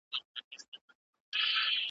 راته یاده مي کیسه د مولوي سي .